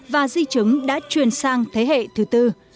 và di chứng đã truyền sang thế hệ thứ tư